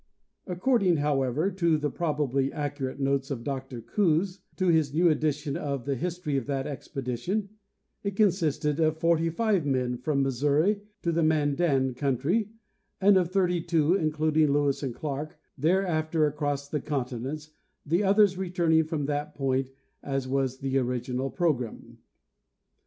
According, however, to the probably accurate notes of Dr Coues to his new edition of the history of that expedition, it consisted of forty five men from Missouri to the Mandan country, and of thirty two, including Lewis and Clarke, there after across the continent, the others returning from that point, as was the original program.